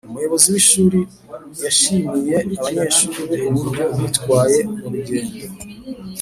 Umuyobozi w ishuri yashimiye abanyeshuri be uburyo bitwaye murugendo